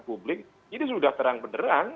publik ini sudah terang benderang